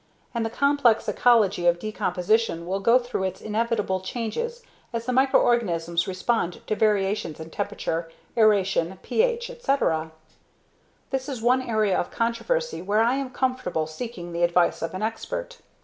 And the complex ecology of decomposition will go through its inevitable changes as the microorganisms respond to variations in temperature, aeration, pH, etc. This is one area of controversy where I am comfortable seeking the advice of an expert.